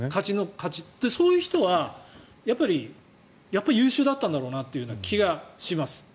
そういう人はやっぱり優秀だったんだろうなって気がします。